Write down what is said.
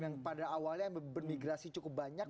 yang pada awalnya bermigrasi cukup banyak